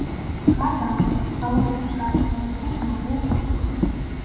კარგ ამინდში, ქალაქიდან კარგად მოსჩანს ნახევარკუნძული.